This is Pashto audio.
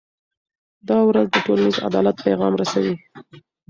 دا ورځ د ټولنیز عدالت پیغام رسوي.